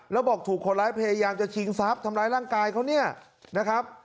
แล้วบอกถูกคนร้ายเพย์ย่างจะชิงสาปทำร้ายร่างกายเขานี่นะครับ